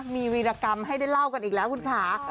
มีวีรกรรมให้ได้เล่ากันอีกแล้วคุณค่ะ